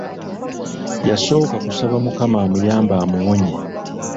Yasooka kusaba Mukama amuyambe amuwonye.